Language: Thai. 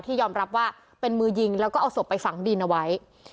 ยอมรับว่าเป็นมือยิงแล้วก็เอาศพไปฝังดินเอาไว้